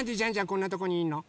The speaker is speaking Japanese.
こんなとこにいんの？